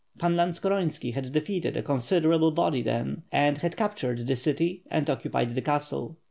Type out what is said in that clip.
Pan Lantskoronski had defeated a considerable body then, and had captured the city aad occupied the castle.